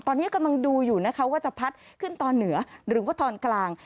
ตอนนี้กำลังดูอยู่นะคะว่าจะพัดขึ้นตอนเหนือหรือว่าตอนกลาง